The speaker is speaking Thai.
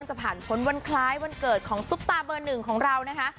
จะผ่านพ้นวันคล้ายวันเกิดของซุปตาเบอร์หนึ่งของเรานะคะ